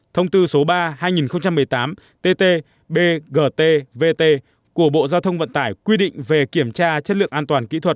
thông tư số ba hai nghìn một mươi tám tt bgt vt của bộ giao thông vận tải quy định về kiểm tra chất lượng an toàn kỹ thuật